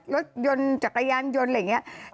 รถยนต์จักรยานยนต์อะไรอย่างนี้